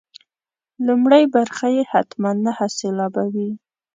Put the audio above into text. لومړۍ برخه یې حتما نهه سېلابه وي.